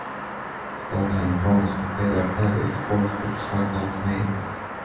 Stoneham promised to pay their tab if Ford could strike out Mays.